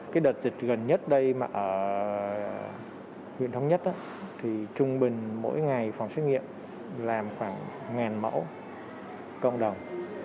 cái đợt dịch gần nhất đây mà ở huyện thống nhất thì trung bình mỗi ngày phòng xét nghiệm làm khoảng mẫu cộng đồng